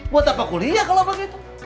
buat apa kuliah kalau begitu